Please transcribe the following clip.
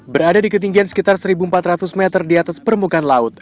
berada di ketinggian sekitar satu empat ratus meter di atas permukaan laut